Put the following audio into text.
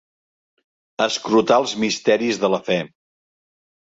Escrutar els misteris de la fe.